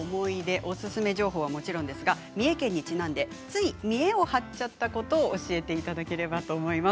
おすすめ情報はもちろんですが三重県にちなんでつい見えを張っちゃったこと教えていただければと思います。